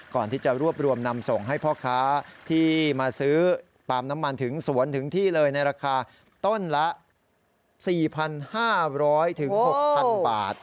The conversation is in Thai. ก่อนที่จะรวบรวมนำส่งให้พ่อค้าที่มาซื้อปาล์มน้ำมันถึงสวนถึงที่เลยในราคาต้นละ๔๕๐๐๖๐๐๐บาท